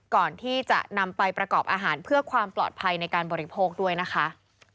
ก่อนที่จะนำไปประกอบอาหารเพื่อความปลอดภัยในการบริโภคด้วยนะคะ